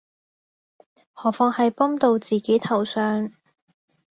何況係揼到自己頭上